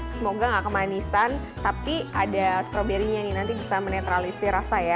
semoga gak kemanisan tapi ada stroberinya nih nanti bisa menetralisi rasa ya